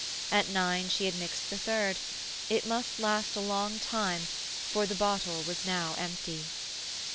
At nine she had mixed the third; it must last a long time, for the bottle was now empty.